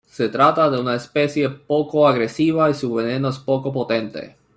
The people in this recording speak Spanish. Se trata de una especie poco agresiva y su veneno es poco potente.